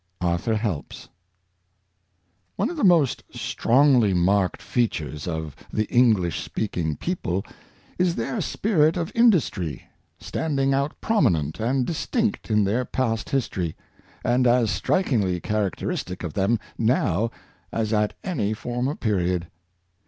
— Arthur Helps. NE of the most strongly marked features of the EngHsh speaking people is their spirit of indus try, standing out prominent and distinct in their past history, and as strikingly character istic of them now as at any former period.